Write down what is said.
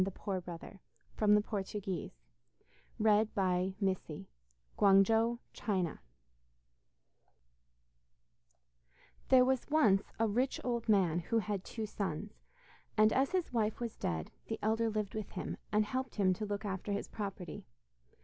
The Rich Brother and the Poor Brother There was once a rich old man who had two sons, and as his wife was dead, the elder lived with him, and helped him to look after his property.